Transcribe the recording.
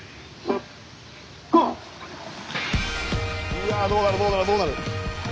うわどうなるどうなるどうなる。